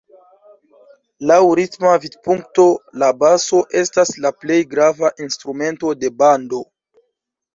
Laŭ ritma vidpunkto la baso estas la plej grava instrumento de bando.